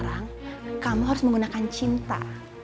aku akan berada di sekitar karena